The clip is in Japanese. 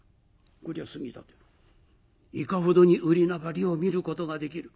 「こりゃ杉立いかほどに売り上がりを見ることができる？」。